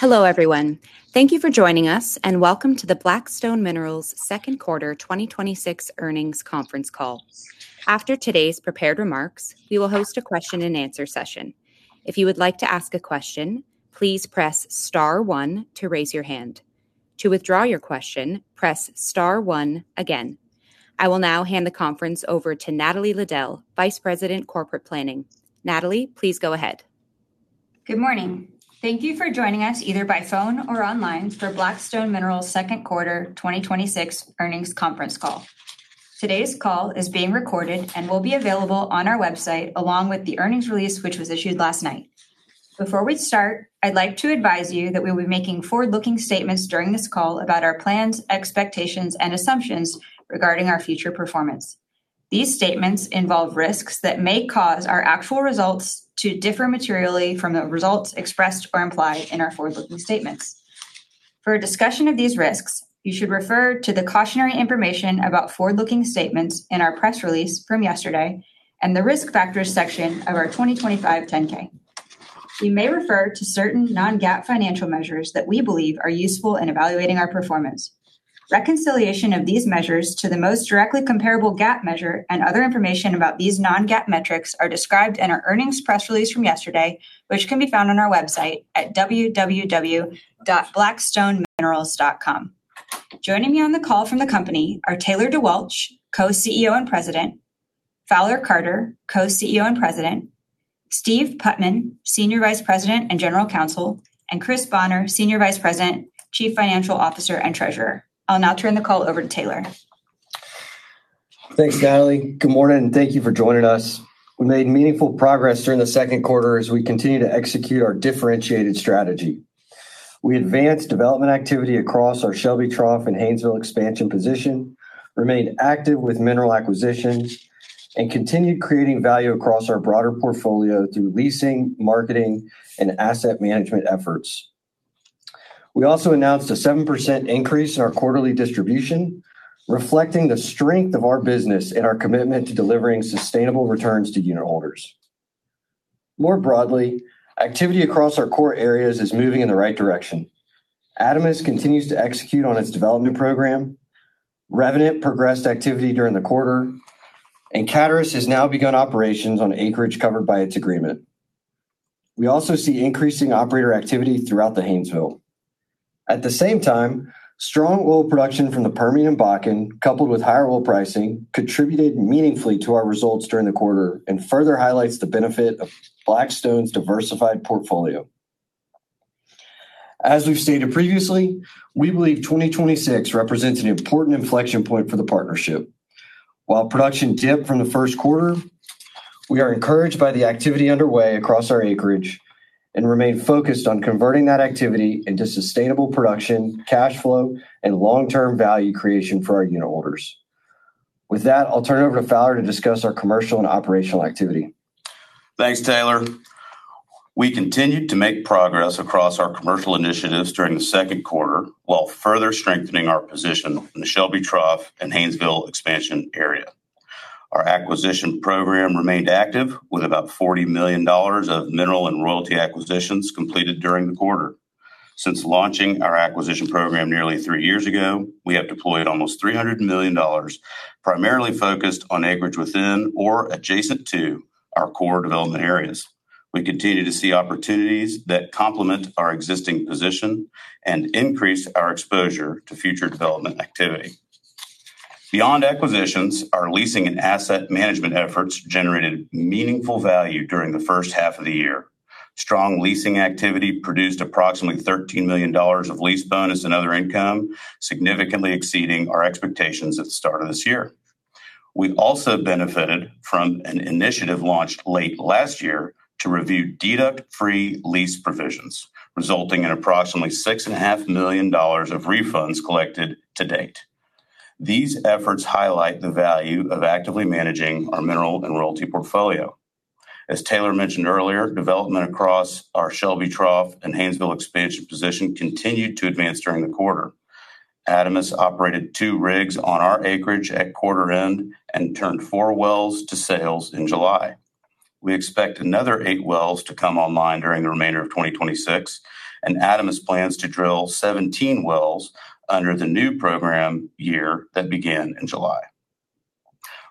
Hello, everyone. Thank you for joining us, and welcome to the Black Stone Minerals second quarter 2026 earnings conference call. After today's prepared remarks, we will host a question and answer session. If you would like to ask a question, please press star one to raise your hand. To withdraw your question, press star one again. I will now hand the conference over to Natalie Liddell, Vice President, Corporate Planning. Natalie, please go ahead. Good morning. Thank you for joining us either by phone or online for Black Stone Minerals second quarter 2026 earnings conference call. Today's call is being recorded and will be available on our website along with the earnings release, which was issued last night. Before we start, I'd like to advise you that we'll be making forward-looking statements during this call about our plans, expectations, and assumptions regarding our future performance. These statements involve risks that may cause our actual results to differ materially from the results expressed or implied in our forward-looking statements. For a discussion of these risks, you should refer to the cautionary information about forward-looking statements in our press release from yesterday and the Risk Factors section of our 2025 10-K. We may refer to certain non-GAAP financial measures that we believe are useful in evaluating our performance. Reconciliation of these measures to the most directly comparable GAAP measure and other information about these non-GAAP metrics are described in our earnings press release from yesterday, which can be found on our website at www.blackstoneminerals.com. Joining me on the call from the company are Taylor DeWalch, Co-CEO and President, Fowler Carter, Co-CEO and President, Steve Putman, Senior Vice President and General Counsel, and Chris Bonner, Senior Vice President, Chief Financial Officer, and Treasurer. I'll now turn the call over to Taylor. Thanks, Natalie. Good morning, and thank you for joining us. We made meaningful progress during the second quarter as we continue to execute our differentiated strategy. We advanced development activity across our Shelby Trough and Haynesville expansion position, remained active with mineral acquisitions, and continued creating value across our broader portfolio through leasing, marketing, and asset management efforts. We also announced a 7% increase in our quarterly distribution, reflecting the strength of our business and our commitment to delivering sustainable returns to unitholders. More broadly, activity across our core areas is moving in the right direction. Adamas continues to execute on its development program, Revenant progressed activity during the quarter, and Caturus has now begun operations on acreage covered by its agreement. We also see increasing operator activity throughout the Haynesville. At the same time, strong oil production from the Permian Basin, coupled with higher oil pricing, contributed meaningfully to our results during the quarter and further highlights the benefit of Black Stone Minerals' diversified portfolio. As we've stated previously, we believe 2026 represents an important inflection point for the partnership. While production dipped from the first quarter, we are encouraged by the activity underway across our acreage and remain focused on converting that activity into sustainable production, cash flow, and long-term value creation for our unitholders. With that, I'll turn it over to Fowler to discuss our commercial and operational activity. Thanks, Taylor. We continued to make progress across our commercial initiatives during the second quarter, while further strengthening our position in the Shelby Trough and Haynesville expansion area. Our acquisition program remained active with about $40 million of mineral and royalty acquisitions completed during the quarter. Since launching our acquisition program nearly three years ago, we have deployed almost $300 million, primarily focused on acreage within or adjacent to our core development areas. We continue to see opportunities that complement our existing position and increase our exposure to future development activity. Beyond acquisitions, our leasing and asset management efforts generated meaningful value during the first half of the year. Strong leasing activity produced approximately $13 million of lease bonus and other income, significantly exceeding our expectations at the start of this year. We also benefited from an initiative launched late last year to review deduct-free lease provisions, resulting in approximately $6.5 million of refunds collected to date. As Taylor mentioned earlier, development across our Shelby Trough and Haynesville expansion position continued to advance during the quarter. Adamas operated two rigs on our acreage at quarter end and turned four wells to sales in July. We expect another eight wells to come online during the remainder of 2026, and Adamas plans to drill 17 wells under the new program year that began in July.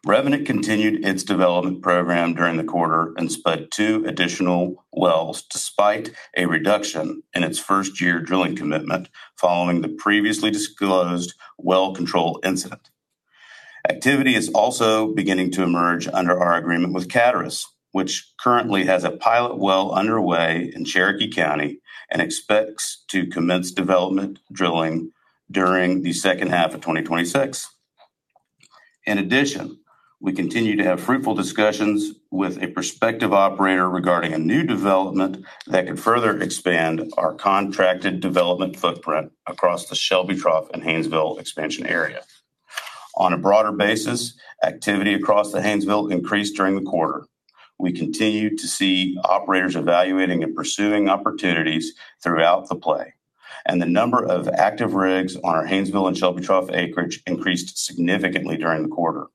Revenant continued its development program during the quarter and spud two additional wells despite a reduction in its first-year drilling commitment following the previously disclosed well control incident. Activity is also beginning to emerge under our agreement with Caturus, which currently has a pilot well underway in Cherokee County and expects to commence development drilling during the second half of 2026. In addition, we continue to have fruitful discussions with a prospective operator regarding a new development that could further expand our contracted development footprint across the Shelby Trough and Haynesville expansion area. On a broader basis, activity across the Haynesville increased during the quarter. We continue to see operators evaluating and pursuing opportunities throughout the play, and the number of active rigs on our Haynesville and Shelby Trough acreage increased significantly during the quarter.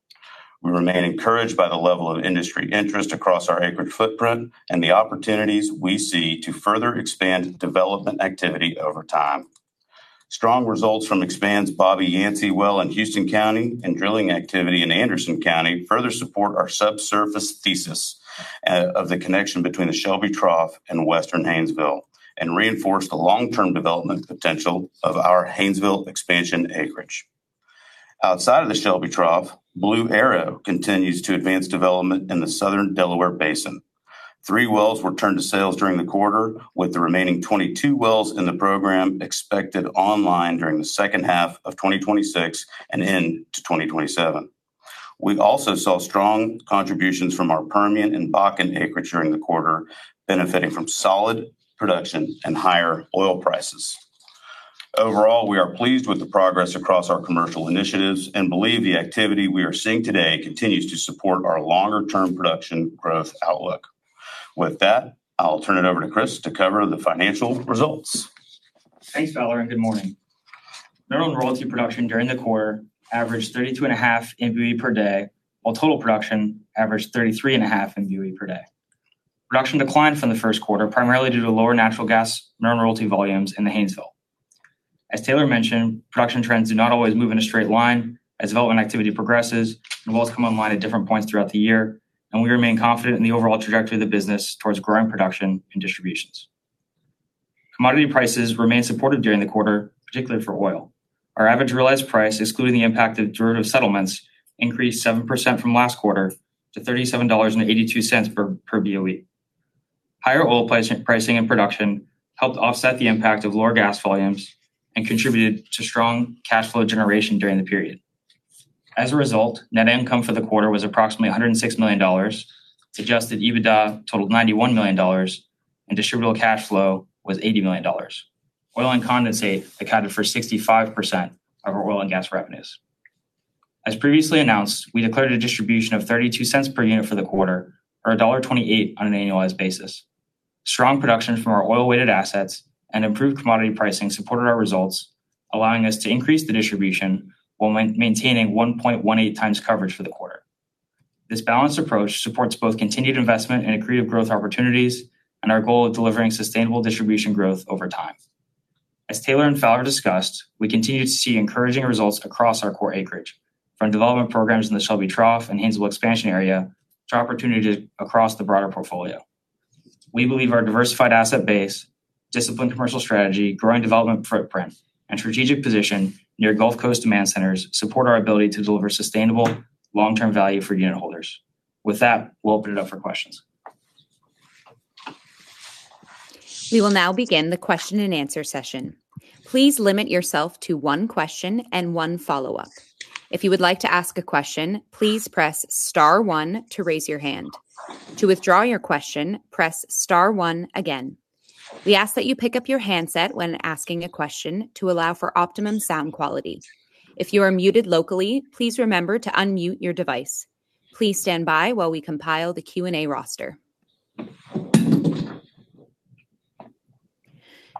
We remain encouraged by the level of industry interest across our acreage footprint and the opportunities we see to further expand development activity over time. Strong results from Expand's Bobby Yancey well in Houston County and drilling activity in Anderson County further support our subsurface thesis of the connection between the Shelby Trough and Western Haynesville, and reinforce the long-term development potential of our Haynesville expansion acreage. Outside of the Shelby Trough, Blue Arrow continues to advance development in the Southern Delaware Basin. Three wells were turned to sales during the quarter, with the remaining 22 wells in the program expected online during the second half of 2026 and into 2027. We also saw strong contributions from our Permian and Bakken acreage during the quarter, benefiting from solid production and higher oil prices. Overall, we are pleased with the progress across our commercial initiatives and believe the activity we are seeing today continues to support our longer-term production growth outlook. With that, I'll turn it over to Chris to cover the financial results. Thanks, Fowler, and good morning. Mineral and royalty production during the quarter averaged 32.5 MBOE per day, while total production averaged 33.5 MBOE per day. Production declined from the first quarter, primarily due to lower natural gas mineral royalty volumes in the Haynesville. As Taylor mentioned, production trends do not always move in a straight line as development activity progresses. The wells come online at different points throughout the year, and we remain confident in the overall trajectory of the business towards growing production and distributions. Commodity prices remained supportive during the quarter, particularly for oil. Our average realized price, excluding the impact of derivative settlements, increased 7% from last quarter to $37.82 per BOE. Higher oil pricing and production helped offset the impact of lower gas volumes and contributed to strong cash flow generation during the period. As a result, net income for the quarter was approximately $106 million. Adjusted EBITDA totaled $91 million, and distributable cash flow was $80 million. Oil and condensate accounted for 65% of our oil and gas revenues. As previously announced, we declared a distribution of $0.32 per unit for the quarter, or $1.28 on an annualized basis. Strong production from our oil-weighted assets and improved commodity pricing supported our results, allowing us to increase the distribution while maintaining 1.18x coverage for the quarter. This balanced approach supports both continued investment in accretive growth opportunities and our goal of delivering sustainable distribution growth over time. As Taylor and Fowler discussed, we continue to see encouraging results across our core acreage, from development programs in the Shelby Trough and Haynesville expansion area to opportunities across the broader portfolio. We believe our diversified asset base, disciplined commercial strategy, growing development footprint, and strategic position near Gulf Coast demand centers support our ability to deliver sustainable long-term value for unitholders. With that, we'll open it up for questions. We will now begin the question and answer session. Please limit yourself to one question and one follow-up. If you would like to ask a question, please press star one to raise your hand. To withdraw your question, press star one again. We ask that you pick up your handset when asking a question to allow for optimum sound quality. If you are muted locally, please remember to unmute your device. Please stand by while we compile the Q&A roster.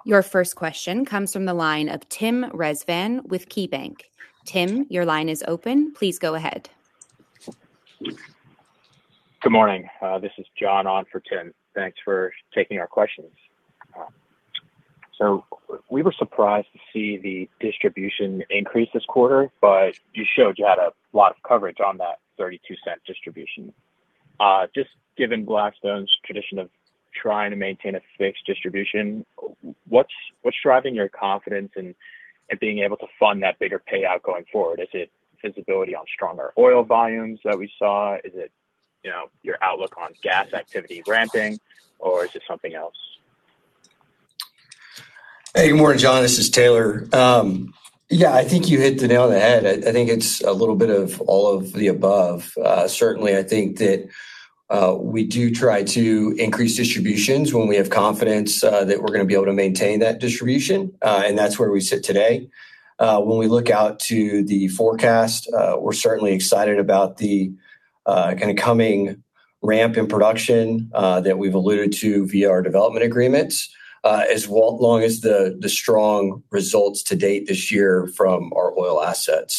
Your first question comes from the line of Tim Rezvan with KeyBank. Tim, your line is open. Please go ahead. Good morning. This is John on for Tim. Thanks for taking our questions. We were surprised to see the distribution increase this quarter, but you showed you had a lot of coverage on that $0.32 distribution. Just given Black Stone's tradition of trying to maintain a fixed distribution, what's driving your confidence in being able to fund that bigger payout going forward? Is it visibility on stronger oil volumes that we saw? Is it your outlook on gas activity ramping, or is it something else? Hey, good morning, John. This is Taylor. Yeah, I think you hit the nail on the head. I think it's a little bit of all of the above. Certainly, I think that we do try to increase distributions when we have confidence that we're going to be able to maintain that distribution, and that's where we sit today. When we look out to the forecast, we're certainly excited about the coming ramp in production that we've alluded to via our development agreements. As long as the strong results to date this year from our oil assets.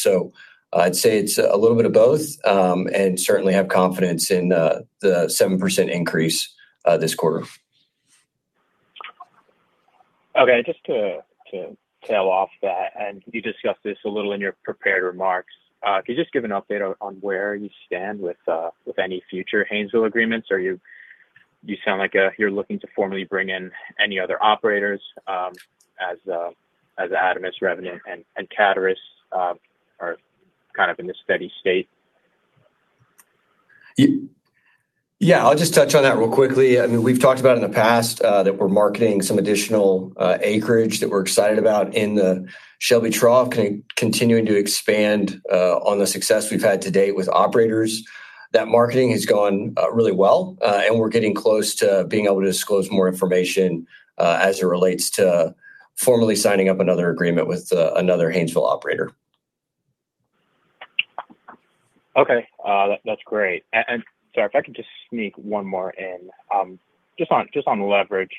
I'd say it's a little bit of both, and certainly have confidence in the 7% increase this quarter. Okay. Just to tail off that. You discussed this a little in your prepared remarks. Could you just give an update on where you stand with any future Haynesville agreements? You sound like you're looking to formally bring in any other operators, as Adamas Revenant and Caturus are kind of in this steady state. Yeah, I'll just touch on that real quickly. We've talked about in the past that we're marketing some additional acreage that we're excited about in the Shelby Trough, continuing to expand on the success we've had to date with operators. That marketing has gone really well. We're getting close to being able to disclose more information, as it relates to formally signing up another agreement with another Haynesville operator. Okay. That's great. Sorry if I could just sneak one more in. Just on leverage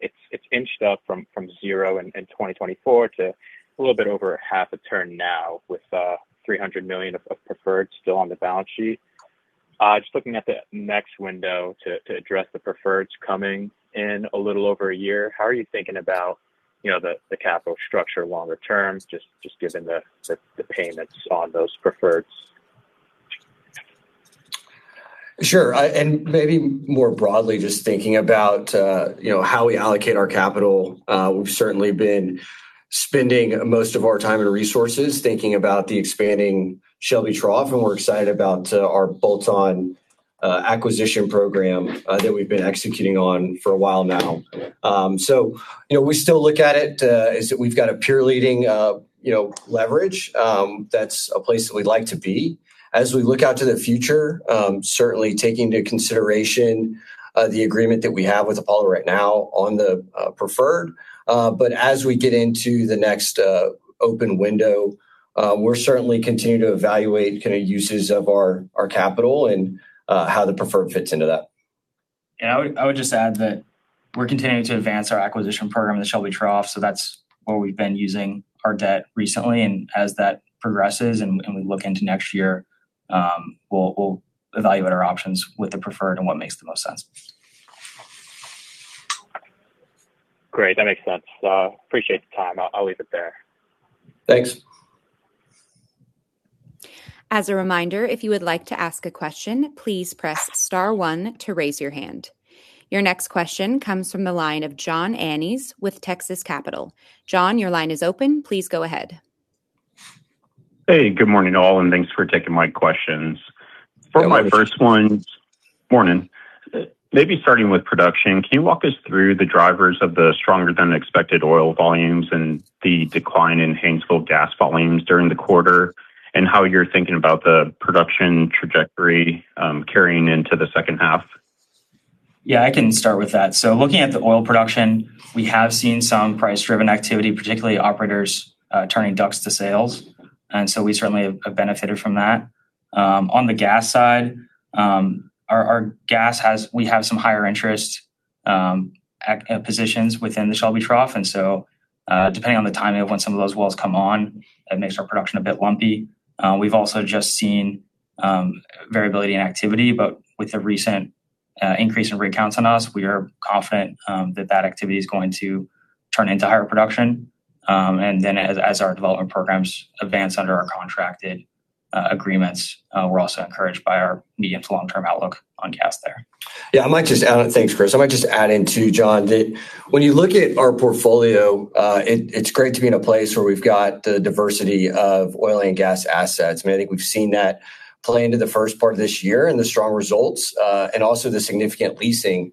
It's inched up from zero in 2024 to a little bit over half a turn now with $300 million of preferred still on the balance sheet. Just looking at the next window to address the preferreds coming in a little over a year, how are you thinking about the capital structure longer term, just given the payments on those preferreds? Sure. Maybe more broadly, just thinking about how we allocate our capital. We've certainly been spending most of our time and resources thinking about the expanding Shelby Trough. We're excited about our bolt-on acquisition program that we've been executing on for a while now. We still look at it as that we've got a peer-leading leverage. That's a place that we'd like to be. As we look out to the future, certainly taking into consideration the agreement that we have with Apollo right now on the preferred. As we get into the next open window, we'll certainly continue to evaluate uses of our capital and how the preferred fits into that. I would just add that we're continuing to advance our acquisition program in the Shelby Trough, that's where we've been using our debt recently. As that progresses and we look into next year, we'll evaluate our options with the preferred and what makes the most sense. Great. That makes sense. Appreciate the time. I'll leave it there. Thanks. As a reminder, if you would like to ask a question, please press star one to raise your hand. Your next question comes from the line of John Annis with Texas Capital. John, your line is open. Please go ahead. Hey, good morning, all, thanks for taking my questions. Good morning. For my first one. Morning. Maybe starting with production, can you walk us through the drivers of the stronger than expected oil volumes and the decline in Haynesville gas volumes during the quarter, how you're thinking about the production trajectory carrying into the second half? Yeah, I can start with that. Looking at the oil production, we have seen some price-driven activity, particularly operators turning DUCs to sales. We certainly have benefited from that. On the gas side, we have some higher interest positions within the Shelby Trough. Depending on the timing of when some of those wells come on, it makes our production a bit lumpy. We've also just seen variability in activity, with the recent increase in rig counts on us, we are confident that that activity is going to turn into higher production. As our development programs advance under our contracted agreements, we're also encouraged by our medium to long-term outlook on gas there. Thanks, Chris. I might just add in too, John, that when you look at our portfolio, it's great to be in a place where we've got the diversity of oil and gas assets. I think we've seen that play into the first part of this year and the strong results. Also the significant leasing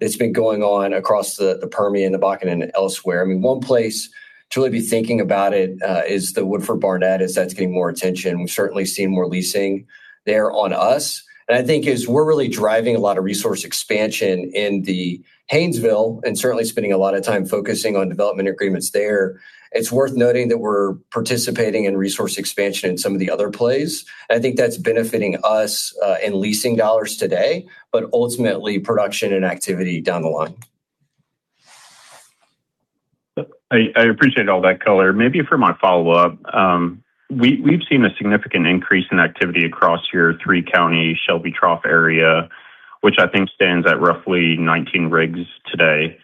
that's been going on across the Permian, the Bakken, and elsewhere. One place to really be thinking about it is the Woodford Barnett, as that's getting more attention. We've certainly seen more leasing there on us. I think as we're really driving a lot of resource expansion in the Haynesville and certainly spending a lot of time focusing on development agreements there, it's worth noting that we're participating in resource expansion in some of the other plays. I think that's benefiting us in leasing dollars today, but ultimately, production and activity down the line. I appreciate all that color. Maybe for my follow-up, we've seen a significant increase in activity across your three-county Shelby Trough area, which I think stands at roughly 19 rigs today.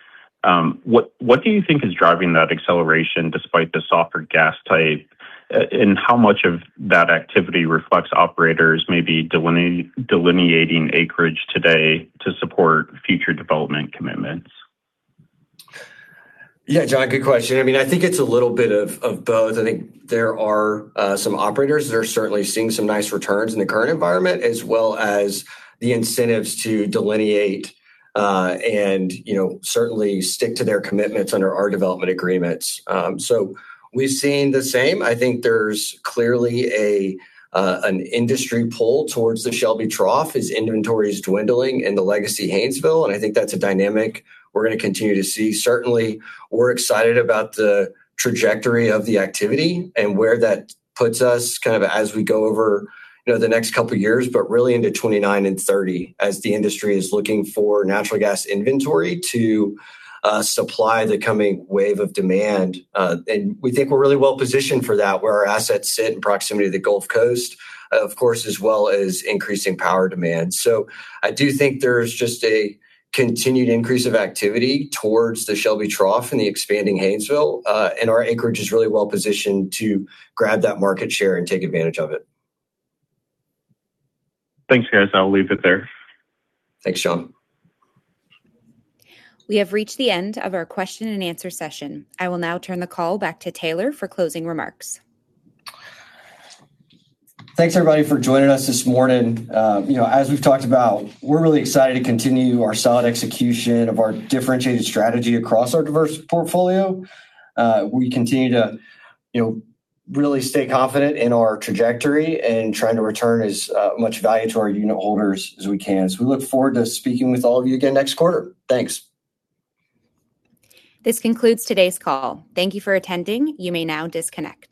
What do you think is driving that acceleration despite the softer gas type? How much of that activity reflects operators maybe delineating acreage today to support future development commitments? Yeah, John, good question. I think it's a little bit of both. I think there are some operators that are certainly seeing some nice returns in the current environment, as well as the incentives to delineate, and certainly stick to their commitments under our development agreements. We've seen the same. I think there's clearly an industry pull towards the Shelby Trough as inventory is dwindling in the legacy Haynesville, and I think that's a dynamic we're going to continue to see. Certainly, we're excited about the trajectory of the activity and where that puts us as we go over the next couple of years, but really into 2029 and 2030 as the industry is looking for natural gas inventory to supply the coming wave of demand. We think we're really well-positioned for that, where our assets sit in proximity to the Gulf Coast. Of course, as well as increasing power demand. I do think there's just a continued increase of activity towards the Shelby Trough and the expanding Haynesville. Our acreage is really well-positioned to grab that market share and take advantage of it. Thanks, guys. I'll leave it there. Thanks, John. We have reached the end of our question and answer session. I will now turn the call back to Taylor for closing remarks. Thanks everybody for joining us this morning. As we've talked about, we're really excited to continue our solid execution of our differentiated strategy across our diverse portfolio. We continue to really stay confident in our trajectory and trying to return as much value to our unit holders as we can. We look forward to speaking with all of you again next quarter. Thanks. This concludes today's call. Thank you for attending. You may now disconnect.